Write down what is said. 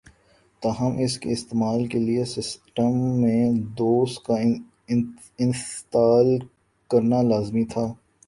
تاہم اس کے استعمال کے لئے سسٹم میں ڈوس کا انسٹال کرنا لازمی تھا